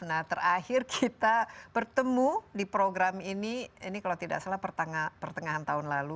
nah terakhir kita bertemu di program ini ini kalau tidak salah pertengahan tahun lalu